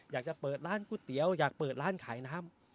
อยากจะเปิดร้านก๋วยเตี๋ยวอยากเปิดร้านขายน้ำ